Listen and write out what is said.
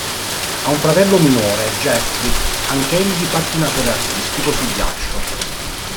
Ha un fratello minore, Jeffrey, anch'egli pattinatore artistico su ghiaccio.